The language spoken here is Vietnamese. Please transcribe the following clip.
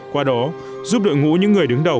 qua đó giúp đội ngũ những người đứng đầu